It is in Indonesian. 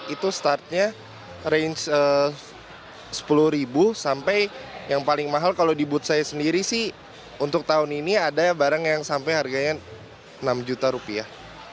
itu startnya range sepuluh ribu sampai yang paling mahal kalau di booth saya sendiri sih untuk tahun ini ada barang yang sampai harganya enam juta rupiah